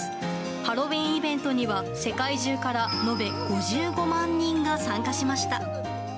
ハロウィーンイベントには世界中から延べ５５万人が参加しました。